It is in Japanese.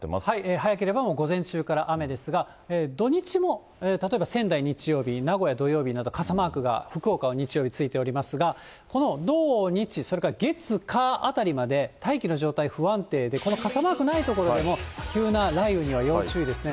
早ければもう午前中から雨ですが、土日も、例えば仙台日曜日、名古屋土曜日など、傘マークが、福岡は日曜日ついておりますが、この土、日、それから月、火あたりまで、大気の状態不安定で、この傘マークない所でも、急な雷雨には要注意ですね。